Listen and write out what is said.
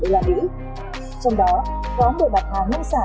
trong đó có một bạc hàng nông sản